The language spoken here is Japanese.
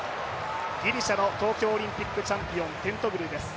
ギリシャの東京オリンピックチャンピオン、テントグルです。